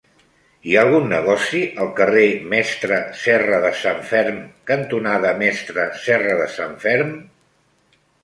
Hi ha algun negoci al carrer Mestre Serradesanferm cantonada Mestre Serradesanferm?